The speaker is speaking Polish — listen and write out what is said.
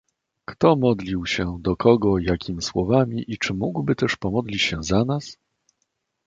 Kto modlił się, do kogo, jakim słowami, czy mógłby też pomodlić się za nas?